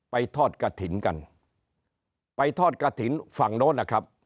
ทอดกระถิ่นกันไปทอดกระถิ่นฝั่งโน้นนะครับ